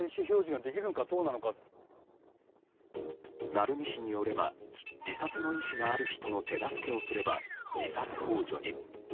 鳴海氏によれば自殺の意思がある人の手助けをすれば、自殺幇助に。